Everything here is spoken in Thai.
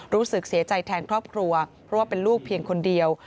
รู้สึกเสียใจแทนครอบครัวเพราะว่าเป็นลูกเพียงคนเดียว